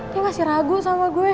dia masih ragu sama gue ya